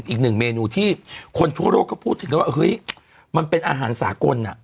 อีกหนึ่งเมนูที่คนทั่วโลกก็พูดถึงกันว่าเฮ้ยมันเป็นอาหารสากล